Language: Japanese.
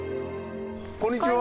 こんにちは。